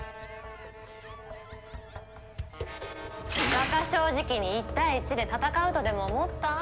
バカ正直に１対１で戦うとでも思った？